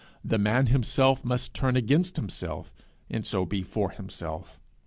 The man himself must turn against himself, and so be for himself.